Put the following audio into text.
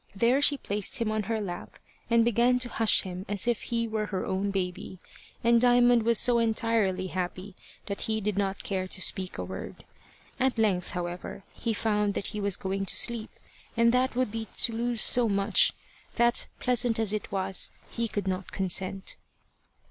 There she placed him on her lap and began to hush him as if he were her own baby, and Diamond was so entirely happy that he did not care to speak a word. At length, however, he found that he was going to sleep, and that would be to lose so much, that, pleasant as it was, he could not consent.